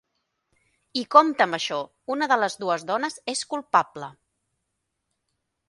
I, compte amb això, una de les dues dones és culpable.